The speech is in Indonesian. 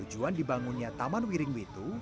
tujuan dibangunnya taman wiring witu